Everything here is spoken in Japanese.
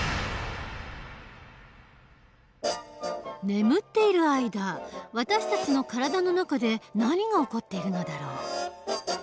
眠っている間私たちの体の中で何が起こっているのだろう？